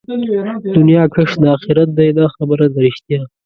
دنيا کښت د آخرت دئ دا خبره ده رښتيا